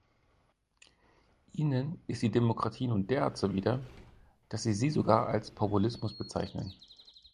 Ihnen ist die Demokratie nun derart zuwider, dass Sie sie sogar als Populismus bezeichnen.